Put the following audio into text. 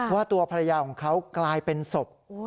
ว่าตัวภรรยาของเขากลายเป็นศพ